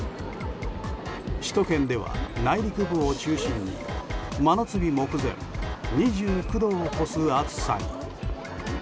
首都圏では内陸部を中心に真夏日目前２９度を超す暑さに。